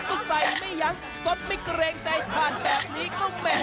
ทุกคนก็ใส่ไม่ยังสดไม่เกรงใจผ่านแบบนี้ก็แหม